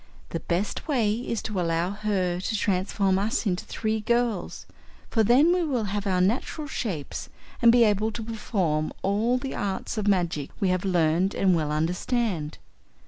The best way is to allow her to transform us into three girls, for then we will have our natural shapes and be able to perform all the Arts of Magic we have learned and well understand.